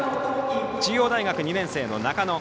中央大学２年生の中野。